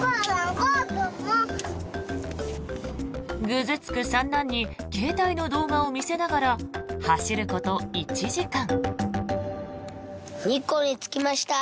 ぐずつく三男に携帯の動画を見せながら走ること、１時間。